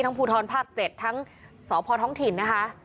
ทั้งภูทรภาค๗ทั้งสอบพอร์ท้องถิ่น